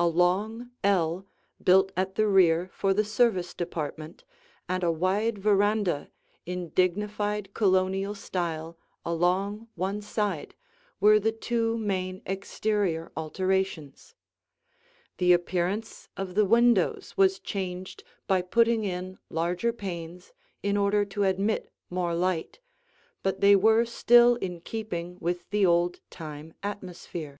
A long ell, built at the rear for the service department, and a wide veranda in dignified Colonial style along one side were the two main exterior alterations. The appearance of the windows was changed by putting in larger panes in order to admit more light, but they were still in keeping with the old time atmosphere.